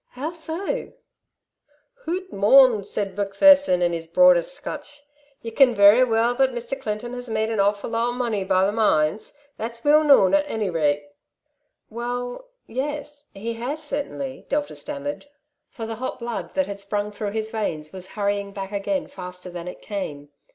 '' How so ?"'' Hoot, mon !'* said Macpherson in his broadest Scotch. '^ Ye ken verra weel that Mr. Clinton has made an awf u^ lot of money by the mines ; that^s weel known, at any rate.'' '' Well, yes ; he has certainly,'' Delta stammered, for the hot blood that had sprung through his veins was hurrying back again faster than it came.